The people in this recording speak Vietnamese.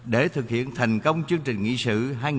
để thực hiện thành công chương trình nghị sự hai nghìn hai mươi